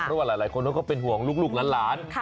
เพราะว่าหลายคนเขาก็เป็นห่วงลูกหลาน